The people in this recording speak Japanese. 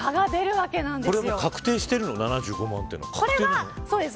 これはもう、確定しているの７５万というのは。